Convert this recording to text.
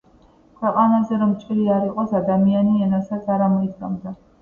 „ქვეყანაზე, რომ ჭირი არ იყოს, ადამიანი ენასაც არ ამოიდგამდა.“